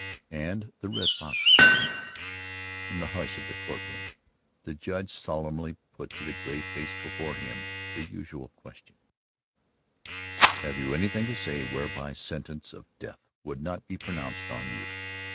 And the Red Fox was doomed. In the hush of the Court Room the Judge solemnly put to the gray face before him the usual question: "Have you anything to say whereby sentence of death should not be pronounced on you?"